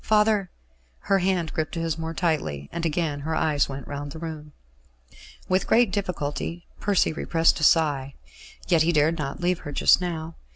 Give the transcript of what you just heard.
Father " Her hand gripped his more tightly, and again her eyes went round the room. With great difficulty Percy repressed a sigh. Yet he dared not leave her just now.